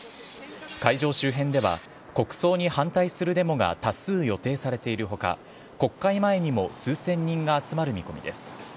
会場周辺では、国葬に反対するデモが多数予定されているほか、国会前にも数千人が集まる見込みです。